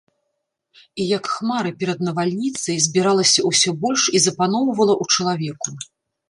І як хмары перад навальніцай збіралася ўсё больш і запаноўвала ў чалавеку.